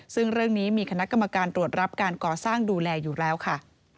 ซึ่งเรื่องนี้มีคณะกรรมการตรวจรับการก่อสร้างดูแลอยู่แล้วค่ะ